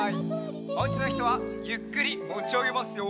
おうちのひとはゆっくりもちあげますよ。